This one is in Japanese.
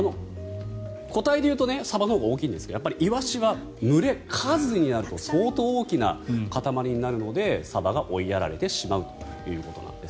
個体でいうとサバのほうが大きいんですがイワシは群れ、数になると相当大きな固まりになるのでサバが追いやられてしまうということなんです。